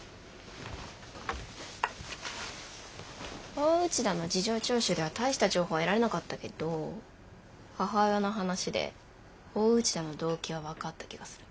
大内田の事情聴取では大した情報得られなかったけど母親の話で大内田の動機は分かった気がする。